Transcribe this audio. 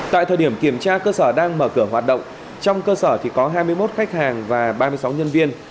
tại thời điểm kiểm tra cơ sở đang mở cửa hoạt động trong cơ sở thì có hai mươi một khách hàng và ba mươi sáu nhân viên